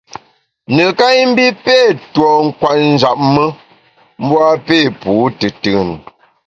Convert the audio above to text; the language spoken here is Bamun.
Neká i mbi pé tuo kwet njap me, mbu a pé pu tùtùn.